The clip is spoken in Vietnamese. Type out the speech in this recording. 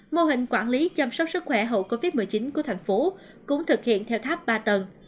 mô hình quản lý chăm sóc sức khỏe hậu covid một mươi chín của thành phố cũng thực hiện theo tháp ba tầng